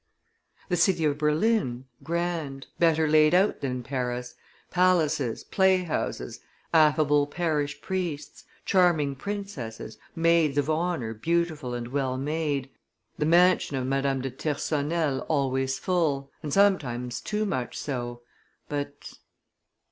. The city of Berlin, grand, better laid out than Paris; palaces, play houses, affable parish priests, charming princesses, maids of honor beautiful and well made; the mansion of Madame de Tyrconnel always full, and sometimes too much so ... but